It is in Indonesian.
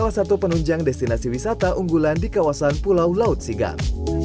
salah satu penunjang destinasi wisata unggulan di kawasan pulau laut sigap